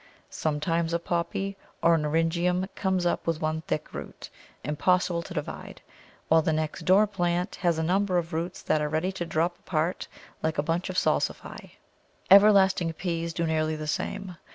Sometimes a Poppy or an Eryngium comes up with one thick root, impossible to divide, while the next door plant has a number of roots that are ready to drop apart like a bunch of Salsafy. Everlasting Peas do nearly the same.